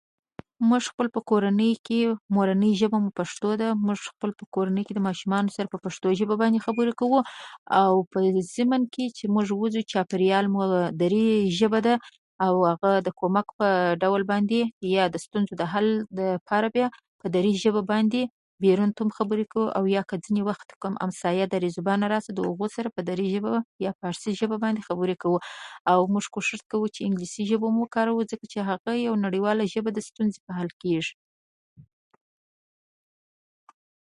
څلور آسماني کتابونه ،تورات، زبور، انجيل، قرآن